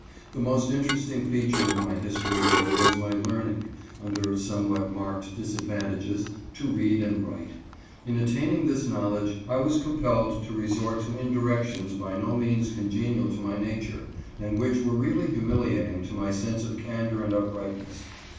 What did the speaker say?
The most in teresting feature of my history here was my learning, under somewhat marked disadvantages, to read and write. In attaining this knowledge I was compelled to resort to indirections by no means congenial to my nature, and which were really humiliating to my sense of candor and uprightness.